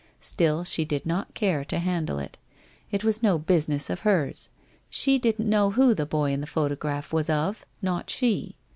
Still, she did not care to handle it. It was no business of hers. She didn't know who the boy in the photograph was of — not she!